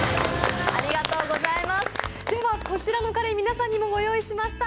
こちらのカレー、皆さんにもご用意しました。